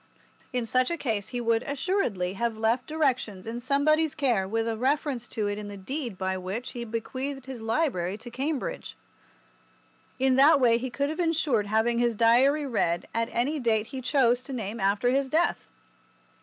In such a case he would assuredly have left directions in somebody's care with a reference to it in the deed by which he bequeathed his library to Cambridge. In that way he could have ensured having his Diary read at any date he chose to name after his death.